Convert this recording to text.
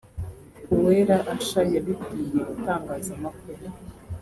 Uwera Asha yabibwiye itangazamakuru